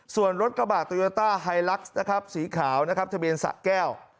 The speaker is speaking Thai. ส่วนรถกระบะนะครับสีขาวนะครับทะเบนสะแก้ว